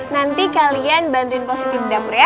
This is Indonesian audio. nanti kalian bantuin posisi di dapur ya